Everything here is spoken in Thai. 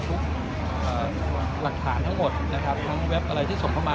หลักฐานทั้งหมดนะครับทั้งเว็บอะไรที่ส่งเข้ามา